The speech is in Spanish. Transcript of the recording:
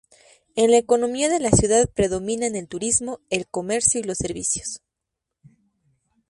En la economía de la ciudad predominan el turismo, el comercio y los servicios.